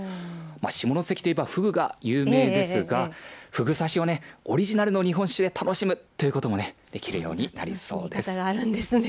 下関といえばふぐが有名ですがふぐ刺しをオリジナル日本酒で楽しむということもできるようになりそうです。